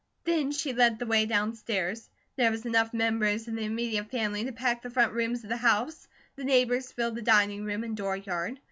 Then she led the way downstairs. There were enough members of the immediate family to pack the front rooms of the house, the neighbours filled the dining room and dooryard.